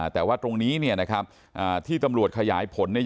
แต่ว่าตรงนี้นะครับที่ตำรวจขยายผลเนี่ย